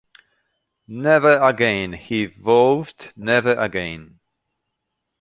Never again, he vowed, never again.